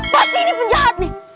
pasti ini penjahat nih